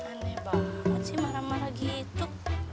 aneh banget sih marah marah gitu